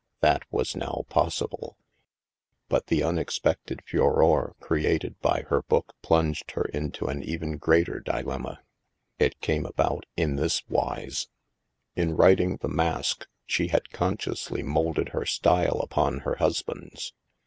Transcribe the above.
That was now possible ; but the unexpected furore created by her book plunged her into an even greater dilemma. It came about in this wise : HAVEN 297 In writing "The Mask," she had consciously moulded her style upon her husband's.